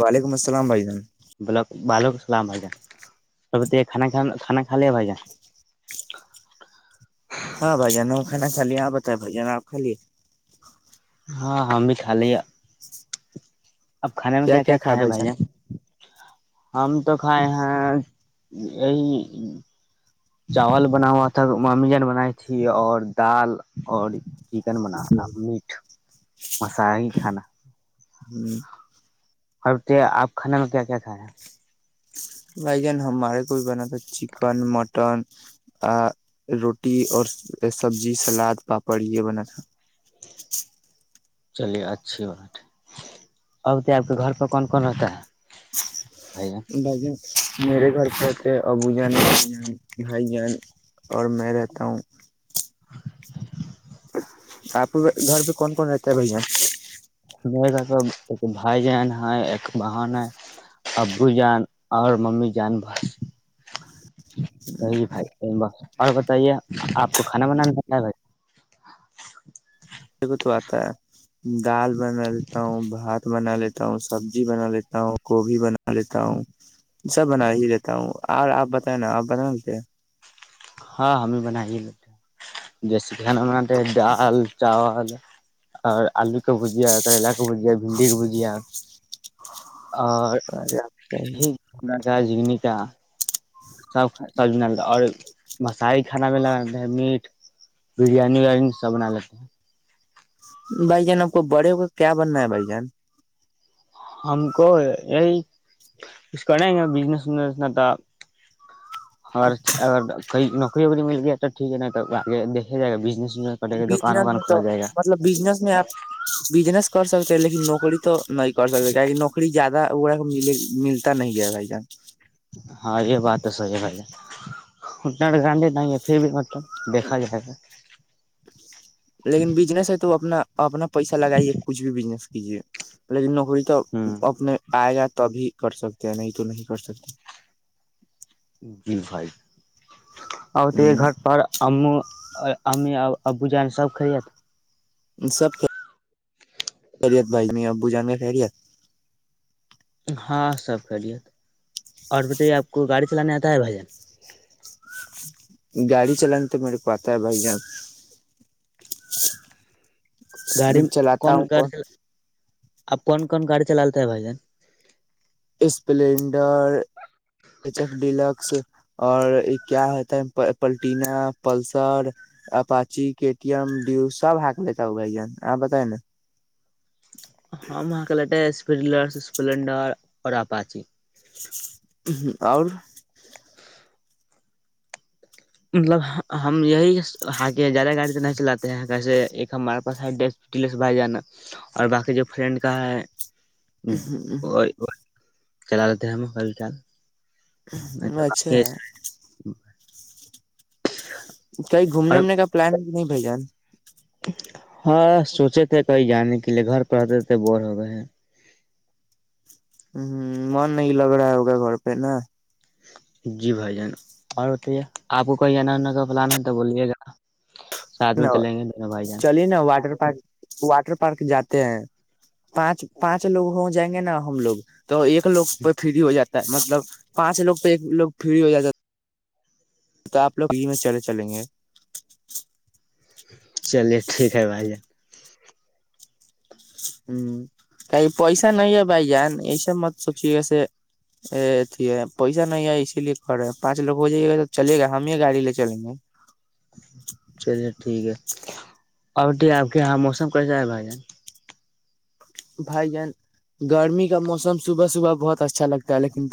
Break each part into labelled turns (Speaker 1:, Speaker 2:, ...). Speaker 1: وعلیکم السلام سلام بھائی جان
Speaker 2: ب بالک سلام بھ جا کانا کھانا کھ لے بھائی جا
Speaker 1: ہاں بھائی جانوں کھانا کھا ل آپ بت بھ جان آپ کھا لیے
Speaker 2: ہاں ہم بھی خالی اب کھانے میں کیا کیا کھا ہے بھائی جان ہم تو کھائے ہیں یہی چاول بنا ہوا تھا ماممی جن بنائی تھی اور دال اور چکن بنا میٹ مسا ہی کھانا
Speaker 1: ہوں
Speaker 2: اور آپ کھانے میں کیا کیا کھا رہے ہیں
Speaker 1: بھائی جان ہمارے کو بھی بنا تھا چکن مٹن روٹی اور سبزی سلاد پاپڑ یہ بنا تھا
Speaker 2: چلیے اچھی بات اب تو آپ کے گھر پہ کون کون رہتا ہے بھائی جان
Speaker 1: ال جے میرے گھر سے رہتے ابو جان بھ جان بھائی جان اور میں رہتا ہوں آپ گھر پہ کون کون رہتا ہے بھ جان
Speaker 2: گا تو ایک بھائی جہان ہے ایک بہن ہے ابو جان اور ممی جان بسی بھائی ب اور بتائیے آپ کو کھانا بنانا ہے بھائی
Speaker 1: س تو آتا ہ دال بنالتا ہوں بھات بنا لیتا ہوں سبزی بنا لیتا ہوں گوبھی بنا لیتا ہوں سب بنا ہی لیتا ہوں اور آپ بتائیں نا آپ بنا لیتے ہیں
Speaker 2: ہاں ہمیں بنا ہی ہی لیتے ہیں جیسے دان بناتے ڈال چاول آ آلو کا بھجیا کرلا کا بھجیا بھنڈی کی بھجیا اور جگ کا سب سب بنا لیتا اور بسائی کھانا بھی لگ میٹ بریانی وریانی سب بنا لیتے ہیں
Speaker 1: بھائی جان آپ کو بڑے ہو کا کیا بننا ہے بھائی جان
Speaker 2: ہم کو یہی کھ کریں گ بزنس وزس انا تھا اور کئی ن نکری وکری مل گیا توٹیک ہے نا تو آ دیکے جائےازنس
Speaker 1: بجنس میں تو مطلب بجنس میں آپ بجنس کر سکتے ہیں لیکن نوکری تو نہیں کر سکتے کی کہ نوکری زیادہ وہا ملتا نہیں ہے بھائی جان
Speaker 2: ہاں یہ بات تو صحی ہے بھائی ہے اتنا گاندے نہیں ہے پھر بھی مطلب دیکھا جائے ہےا
Speaker 1: لیکن بجنس ہے تو اپنا اپنا پیسہ لگائیے کچھ بھی بجنس جی پ دنخ تو
Speaker 2: ہوں
Speaker 1: اپنے آئے جاتے تبھی کر سکتے ہیں نہیں تو نہیں کر سکتے
Speaker 2: جل فائیو [unintelligible] آتے گھر
Speaker 1: ہ
Speaker 2: پرار ہم اور امی ابو جان سب خریت
Speaker 1: سب خیریت بھائی میں ابو جان کا خیریت
Speaker 2: ہاں سب کر لیے اور بتائیے آپ کو گاڑی چلانے آتا ہے بھجن
Speaker 1: گاڑی چلانانی تو میرے کو آتا ہے بھائی جان
Speaker 2: گاڑی میں
Speaker 1: چلاتا
Speaker 2: کون
Speaker 1: ہوں
Speaker 2: گاڑی چل اپ کون کون گاڑی چلاتے ہیں بھائی جان
Speaker 1: اسپلینڈر ایچ ایف ڈلکس اور کیا ہوتا ہے Platina Pulsar Apache K T M Dio سب آ کے لے کے ا آ بتائے نا
Speaker 2: ہاں ماں کلہ ڈ [unintelligible] ر اسپلنڈر اور اپاچی
Speaker 1: اور [unintelligible]
Speaker 2: مطلب ہم یہی ہاں زیادہ گاڑی تو نہیں چلاتے ہیں کیسے ایک ہمارے پاس بائی جانا اور باقی جو فرینڈ کا ہے وہ چلاال د ہیں مو ہل چال ا تو
Speaker 1: اچھا
Speaker 2: بقی
Speaker 1: کہئی گھومنے
Speaker 2: اور
Speaker 1: وومنے کا پلان ہے نہیں بھ جان
Speaker 2: ہاں سوچے تھے کہیں جانے کے لیے گھر پہ رہتے تھ بور ہو گئے ہیں
Speaker 1: ہ ہ من نہیں لگ رہا ہوگا گھر پہ نا
Speaker 2: جی بھائی جان اور بتائیے آپ کو کوئی جاناا کو پلان ہے تو بولیے گا ساتھ
Speaker 1: ن
Speaker 2: میں چلیں گے دونوں بھائی جان
Speaker 1: چلیے نا واٹر پارک واٹر پارک جات ہیں پانچ پانچ لوگ ہو جائیں گے نا ہم لوگ تو ایک لوگ پہ فری ہو جاتی مطلب پانچ لوگ پہ ایک لوگ فری ہو جاتا تو آپ لوگ یہ میں چلے چلیں گے
Speaker 2: چلیے ٹھیک ہے بھائی جان
Speaker 1: ہوں کہ پیسا نہیں ہے بھائی جان ایسا مت سوچیے گس ا ہے پیسا نہیں ہے اسی لیے کر رہے پانچ لوگ ہو جائیے گا تو چلے گا ہم ہی گاڑی لے چلیں گے
Speaker 2: چلیے ٹھیک ہے اور آپ کے یہاں موسم کیسا ہے بھائی جان
Speaker 1: بھائی جان گرمی کا موسم صبح صبح بہت اچھا لگتا ہے لیکن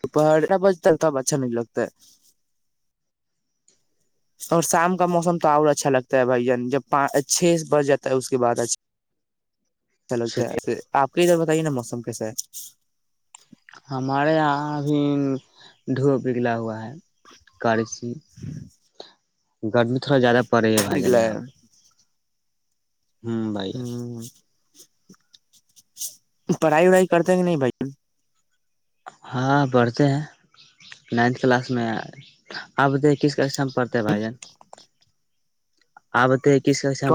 Speaker 1: تو پہاڑ بجتا ہے تب اچھا نہیں لگتا ہے اور شام کا موسم تو اور اچھا لگتا ہے بھائی جان جب چھ بس جاتا ہے اس کے بعد اچھا چل
Speaker 2: چلیے
Speaker 1: آپ کے ادھر ت ن موسم کیس ہے
Speaker 2: ہمارے یہاں ابھی دھو پگھلا ہوا ہے کرڑسی گرمی تھوڑا زیادہ پے ہے بھائی جان
Speaker 1: نکلا ہے
Speaker 2: آپ ہوں بائیا
Speaker 1: ہ پڑھائی وڑھائی کرتے کہ نہیں بھائی
Speaker 2: ہاں پڑھتے ہیں نائنتھ کلاس میں آپ بتائی کس کاام پڑتے بھائی جان آپت
Speaker 1: تو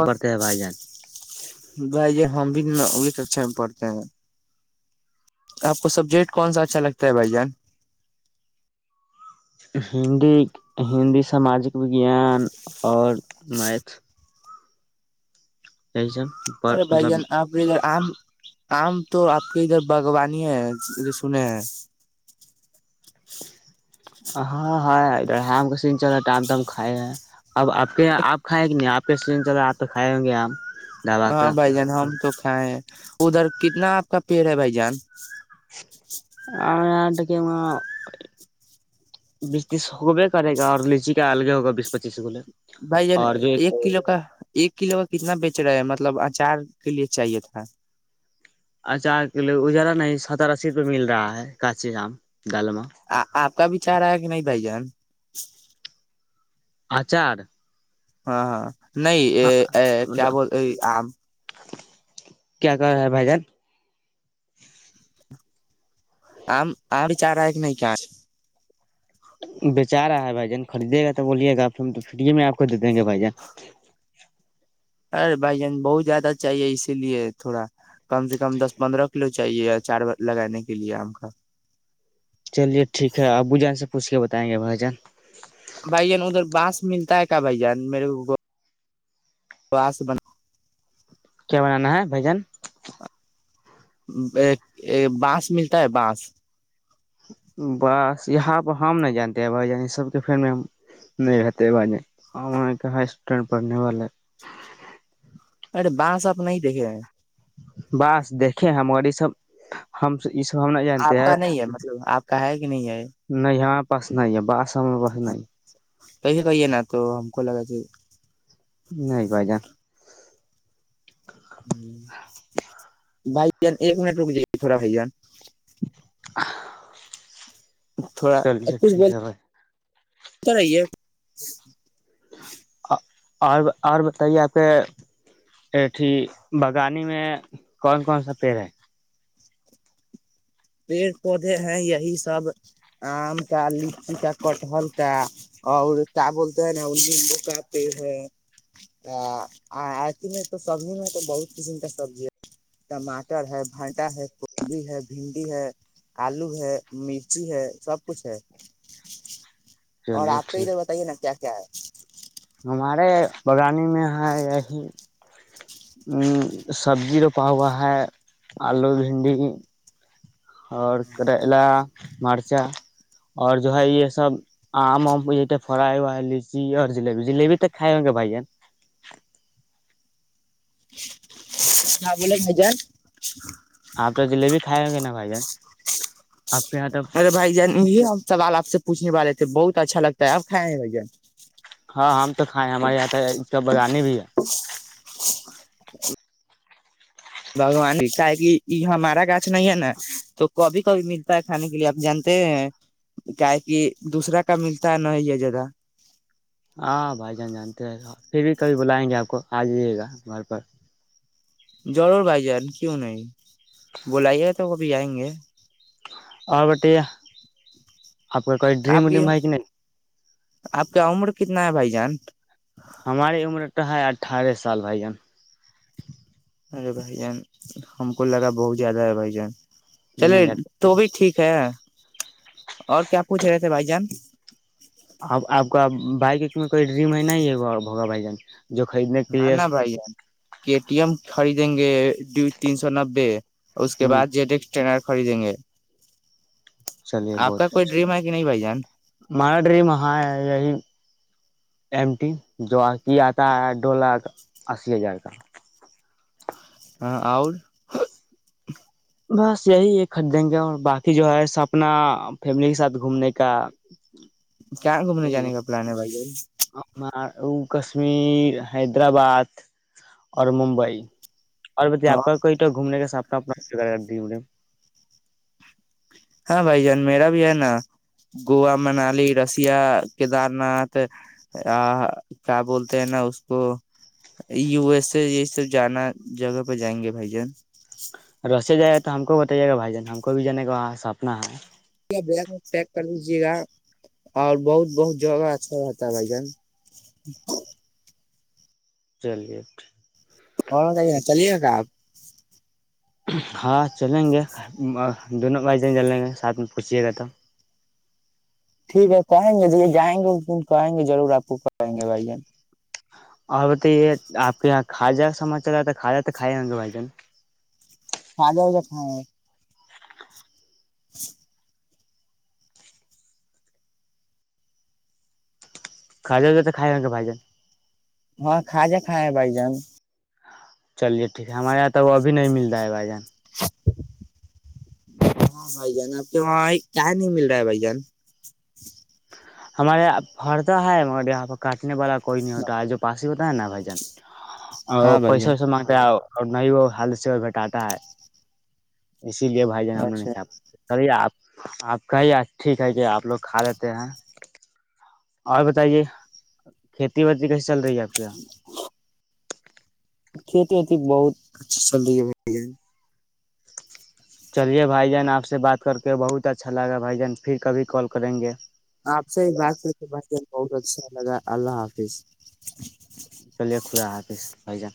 Speaker 1: بائی ج ہم بھی وہی تو اچھا پڑتے ہیں آپ کو سبجیکٹ کون سا اچھا لگتا ہے بھائی جان
Speaker 2: ہندی ہندی ساماجک وجان اور میتھ جیسن
Speaker 1: ارے بھائی جان آ آم آم تو آپ کے ادھر بگو سنے ہے
Speaker 2: ہاں ہ ادھرام کا س چل رہا ہےٹامام کھائے ہیں اب آپ کے آپ کھائے کہ نہیں آپ کے س چل رہا آپ تو کھائے ہوں گے آ
Speaker 1: ہاں بھائی جان ہم تو کھائے ہیں ادھر کتنا آپ کا پیڑ ہے بھائی جان
Speaker 2: اور وہاں بیس تیس ہوے کرے گا اور لیچی کا الگے ہوگا بیس پچیس گولے
Speaker 1: بھائی جان
Speaker 2: اور جو
Speaker 1: ایک کلو کا ایک کلو کا کتنا بیچ کچ رہے مطلب اچار کے لیے چاہیے تھا
Speaker 2: اچھاو ازارا نہیں سترہای روپئے مل رہا ہے کاچی جام گالمہ
Speaker 1: آپ کا بھیچار ہے کہ نہیں بھائی جان
Speaker 2: آچار
Speaker 1: ہاں ہاں نہیں
Speaker 2: ہاں
Speaker 1: کیا
Speaker 2: مطلب
Speaker 1: بول آم
Speaker 2: کیا کر رہا ہے بھائی جان
Speaker 1: چارا ایک نہیں کیاج
Speaker 2: بچا رہا ہے بھائی جان خریدے گا تو بولیے گا ہم تو فری میں آپ کو دے دیں گے بھائی جان
Speaker 1: ارے بھائی جان بہت زیادہ چاہیے اسی لیے تھوڑا کم سے کم دس پندرہ کلو چاہیے چار لگانے کے لیے آم کا
Speaker 2: چلیے ٹھیک ہے ابو جان سے پوچھ کے بتائیں گے بھائی جان
Speaker 1: بھائی جان ادھر بانس ملتا ہے کیا بھائی جان میرے کو واس بنا
Speaker 2: کیا بنانا ہے بھجن
Speaker 1: بانس ملتا ہے بس
Speaker 2: بس یہاں پ ہم نہیں جانتے بھائی جان یہ سب کے ف میں نہیں رہتے بائی ج اسٹوڈینٹ پڑھنے والا
Speaker 1: ارے بس آپ نہیں دیکھے
Speaker 2: بس دیکھے ہم اور یہ سب ہم یہ سب ہم نہیں
Speaker 1: آپ
Speaker 2: جانتے ہیں
Speaker 1: کا نہیں ہے مطلب آپ کا ہے کہ نہیں ہے یہ
Speaker 2: پس نہیں ہے بس [inaudible]
Speaker 1: پیسے کہیے نا تو ہم کو لگا کہ
Speaker 2: نہیںائ بائی جان
Speaker 1: بھائی ایک منٹ رک جائے گ تھوڑا ہے جان
Speaker 2: [inaudible]
Speaker 1: تھوڑا
Speaker 2: چلیے
Speaker 1: کچھ
Speaker 2: ٹھیک ہے
Speaker 1: بولتے
Speaker 2: بھائی
Speaker 1: [inaudible]
Speaker 2: [inaudible] اور اور بتائیے آپ کے ایٹھی بگانی میں کون کون سا پیڑ ہے
Speaker 1: پیڑ پودے ہیں یہی سب آم کا لچی کا کٹہل کا اور کیا بولتے ہیں نا نمبو کا پیڑ ہے میں تو سبزی میں تو بہت قسم کا سبزی ٹماٹر ہے بٹا ہے کوبی ہے بھنڈ ی ہے آلو ہے مرچی ہے سب کچھ ہے اور
Speaker 2: چلیے
Speaker 1: آپ تو ا
Speaker 2: ٹھیک
Speaker 1: توھر بتائیے نا کیا کیا ہے
Speaker 2: ہمارے بگان پانی میں ہے یہ سبزی روپا ہوا ہے آلو بھنڈی اور کریلا مرچا اور جو ہے یہ سب آم وم یہ فرائی ہوا ہے لچی اور جبی جلیبی تو کائے ہوں گے بھائیین
Speaker 1: ہاں بولے مجا
Speaker 2: آپ تو جلیبی کھائائے گے نا بھائی جان آپ کے یہاں تو
Speaker 1: مرے بائی جان سوال آ سے پوچنے والے تھے بہت اچھا لگتا ہے ابھائے نہیں بھ جان
Speaker 2: ہاں ہم تو کھائےیں ہمارے یہاں اس کاب بغانے بھی ہے
Speaker 1: بھگوان کا کہ یہ ہمارا گاچھ نہیں ہے نا تو کبھی کبھی ملتا ہے کھانے کے لیے آپ جانتے ہیں کیا کہ دوسرا کا ملتا نہیں ہے زدہ
Speaker 2: ہاں بھائی جان جانتے ہیں پھر بھی کبھی بلائیں گے آپ کو آ جائیے گا گھر پر
Speaker 1: جرور بائی جان کیوں نہیں بلائیے تو بھی آئیں گے
Speaker 2: اور بتائیے آپ کو کوئی
Speaker 1: آپ
Speaker 2: ڈریم
Speaker 1: کی
Speaker 2: ڈم ہےائی کہ نہیں
Speaker 1: آپ کا عمر کتنا ہے بھائی جان
Speaker 2: ہماری عمر تو ہے اٹھارہ سال آائی گان
Speaker 1: ارے بھائی جان ہم کو لگا بہت زیادہ ہے بھائی جان چلے
Speaker 2: نہیں
Speaker 1: تو بھی ٹھیک ہے اور کیا پوچھ رہے تھے بھائی جان
Speaker 2: آپ آپ بائکک میں کوئی ڈریم ہے ن ہے بوگا بھائی جان جو خریدنے کے
Speaker 1: ہ
Speaker 2: لیے
Speaker 1: نہ بھائی ٹی ایم خریدیں گے ڈیو تین سو نبے اور اس کے
Speaker 2: ہ
Speaker 1: بعد جے ڈس ٹر خریدیں گے
Speaker 2: چلیے
Speaker 1: آپ
Speaker 2: بہت
Speaker 1: کا کوئی
Speaker 2: اچھا
Speaker 1: ڈریم ہے کہ نہیں بھائی جان
Speaker 2: ہمارا ڈریم ہاں ہے یہی ایمٹی جوک آتا ڈ لاکھ اسیی ہزار کا
Speaker 1: ہاں اور
Speaker 2: بس یہی یہ خریدیں گے اور باقی جو ہے سپنا فیملی کے ساتھ گھومنے کا
Speaker 1: کیا گھومنے جانے کا پلان ہے بھائی
Speaker 2: ہمار کشمیر حیدرآباد اور ممبئی اور بتے آ کا کوئی تو گھومنے کا سامنا اپنا دی
Speaker 1: ہاں بھائی جان میرا بھی ہے نا گووا منالی رسیا کیدار ناتھ کیا بولتے ہیں نا اس کو یو ایس ا ج جانا جگہ پہ جائیں گے بھائی جان
Speaker 2: رسے جائے گا تو ہم کو بتائیے گا بھائی جان ہم کو بھی جانے کااں سپنا ہے
Speaker 1: پیک کر لیجے گا اور بہت بہت جگہ اچھا رہتا ہے بھائی جان
Speaker 2: چلی جئےٹ
Speaker 1: اور ن چلیے گا آپ
Speaker 2: ہاں چلیں گے دونوں ب چلیں گے ساتھ میں پوچھیے گا تو
Speaker 1: ٹھیک ہے کہیں گے ج جائیں گے دن کہیں گے ضرور آپ کو کہیں گے بھائی جان
Speaker 2: اور بتائیے آپ کے یہاں خاجہ کا سمان چل رہا تھا خاجہ تو کھائے ہیں گے بھائی جان
Speaker 1: خ ج و ج کائیں [inaudible]
Speaker 2: کجا ج تو کائے گ کہ بائی جان
Speaker 1: ہاں کھا جا کائے ہے بائی جان
Speaker 2: چلیے ٹھیک ہے ہمارے یہاں ت ا اب نہیں ملتا ہے بھائی جان
Speaker 1: ہاں بھائی جان آپ کے وہاں کا نہیں مل رہا ہے بھائی جان
Speaker 2: ہمارے یہاں پر تو ہے مگر یہاں پ کاٹنے والا کوئی نہیں، و آ پا ستا ہے نا بائی جان اور
Speaker 1: ہاں بھائی
Speaker 2: پیسا
Speaker 1: جان
Speaker 2: ویسا مگتے آ اور نہ ہی وہ حل سے وہ گھٹاتا ہے اسی لیے بھائی جان ہم نے نہیں
Speaker 1: اچھا
Speaker 2: ک پ سرے آپ آپ کا ہی ٹھیک ہے کہ آپ لوگ کھا لیتے تے ہیں اور بتائیے کھیتی باڑی کیسی چل رہی ہے آپ کے یہاں
Speaker 1: کھیتی وتی بہت اچھا چل رہی ہے
Speaker 2: چلیے بھائی جان آپ سے بات کر کے بہت اچھا لگا ہے بھائی جان پھر کبھی کال کریں گے
Speaker 1: آپ سےی بات کر بچ بہت اچھا لگا اللہ حافظ
Speaker 2: و جان